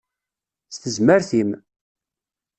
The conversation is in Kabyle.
S tezmert-im!